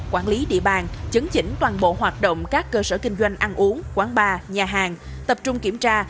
quản lý địa bàn chứng chỉnh toàn bộ hoạt động các cơ sở kinh doanh ăn uống quán bar nhà hàng tập trung kiểm tra